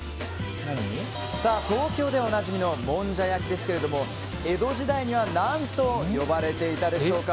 東京ではおなじみのもんじゃ焼きですが江戸時代には何と呼ばれていたでしょうか。